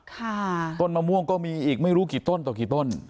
ต้นมะม่วงก็มีอีกไม่รู้กี่ต้นต่อกี่ต้น